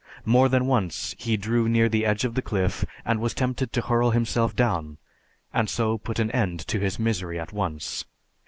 More than once he drew near the edge of the cliff and was tempted to hurl himself down, and so put an end to his misery at once.